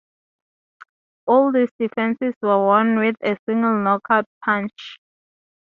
All these defenses were won with a single knockout punch.